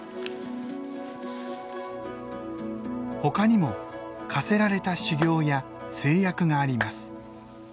ほかにも課せられた修行や制約があります。